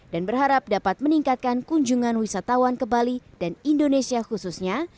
dan berharap dapat meningkatkan kunjungan wisatawan ke bali dan indonesia khususnya